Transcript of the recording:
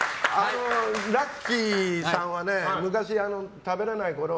ラッキィさんは昔、食べれないころ